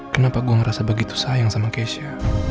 kenapa gue ngerasa begitu sayang sama cash nya